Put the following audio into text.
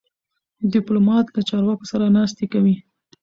ډيپلومات له چارواکو سره ناستې کوي.